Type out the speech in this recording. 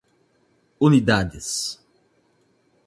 unidades